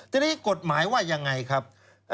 ทีนี้กฎหมายว่ายังไงครับ